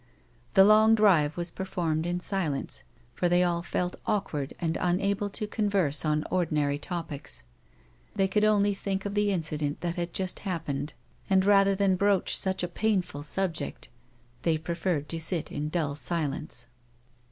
The long drive was performed in silence, for thej' all felt awkward and unable to converse on ordinary topics. They could only think of the incident that had just happened, and, rather A WOMAN'S LIFE. 87 than broach such a painful subject, they piefcired to sit in dull silence.